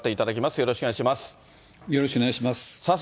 よろしくお願いします。